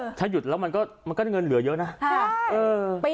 เออถ้าหยุดแล้วมันก็มันก็เงินเหลือเยอะนะใช่เออ